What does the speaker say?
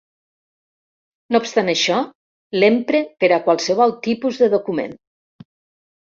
No obstant això, l'empre per a qualsevol tipus de document.